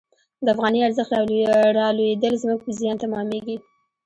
د افغانۍ ارزښت رالوېدل زموږ په زیان تمامیږي.